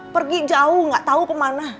pergi jauh gak tau kemana